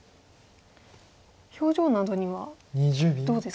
表情などにはどうですか？